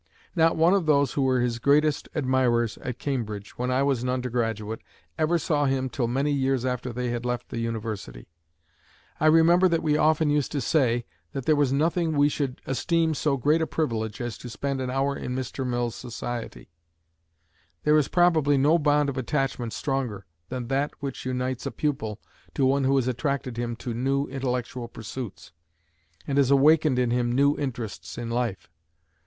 Not one of those who were his greatest admirers at Cambridge, when I was an undergraduate, ever saw him till many years after they had left the University. I remember that we often used to say, that there was nothing we should esteem so great a privilege as to spend an hour in Mr. Mill's society. There is probably no bond of attachment stronger than that which unites a pupil to one who has attracted him to new intellectual pursuits, and has awakened in him new interests in life.